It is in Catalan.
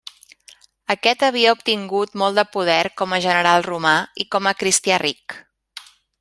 Aquest havia obtingut molt de poder com a general romà i com a cristià ric.